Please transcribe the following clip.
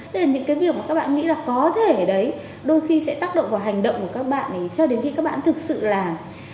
thế nên là những cái việc mà các bạn nghĩ là có thể ở đấy đôi khi sẽ tác động vào hành động của các bạn cho đến khi các bạn thực sự làm